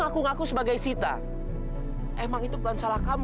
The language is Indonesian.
kok kamu gitu sih ngomongin sama dewi